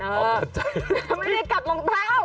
ไม่ได้กลับรองเท้า